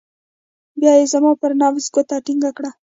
بيا يې زما پر نبض گوته ټينګه کړه.